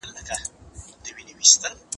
زه له سهاره د سبا لپاره د ژبي تمرين کوم،